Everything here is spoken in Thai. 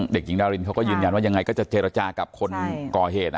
เด็กหญิงดารินเขาก็ยืนยันว่ายังไงก็จะเจรจากับคนก่อเหตุ